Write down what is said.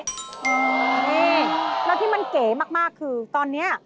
นี่แล้วที่มันเก๋มากคือตอนนี้